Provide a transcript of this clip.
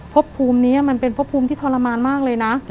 พบภูมินี้มันเป็นพบภูมิที่ทรมานมากเลยนะ